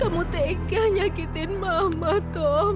kamu tegak nyakitin mama tom